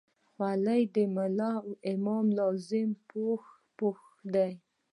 خولۍ د ملا امام لازمي پوښ دی.